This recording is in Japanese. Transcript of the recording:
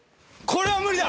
これは無理だ。